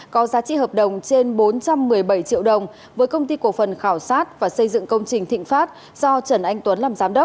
có giá trị hợp đồng trên bốn trăm một mươi bảy triệu đồng với công ty cổ phần khảo sát và xây dựng công trình thịnh pháp do trần anh tuấn làm giám đốc